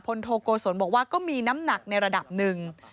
โทโกศลบอกว่าก็มีน้ำหนักในระดับหนึ่ง